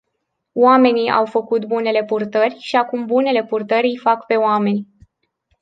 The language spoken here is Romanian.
Oamenii au făcut bunele purtări, și acum bunele purtări îi fac pe oameni.